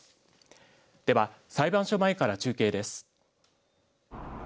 では裁判所前から中継です。